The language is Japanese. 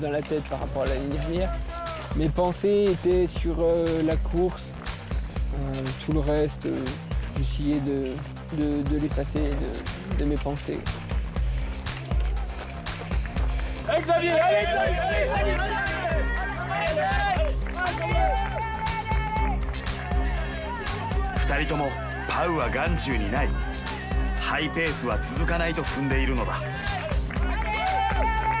ハイペースは続かないと踏んでいるのだ。